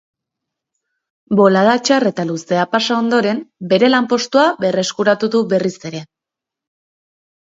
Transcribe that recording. Bolada txar eta luzea pasa ondoren, bere lanpostua berreskuratu du berriz ere.